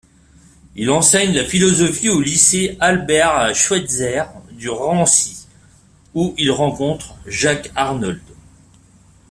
Il enseigne la philosophie au lycée Albert-Schweitzer du Raincy, où il rencontre Jacques Arnold.